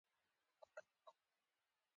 که کور محبت ولري، هر څه لري.